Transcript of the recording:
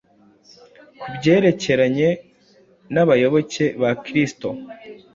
ku byerekeranye n’abayoboke ba Kristo.